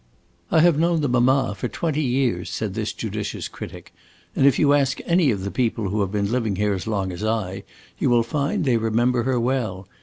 "I have known the mamma for twenty years," said this judicious critic, "and if you ask any of the people who have been living here as long as I, you will find they remember her well.